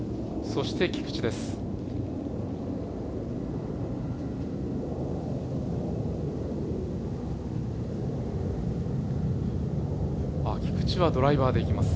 そして菊地です。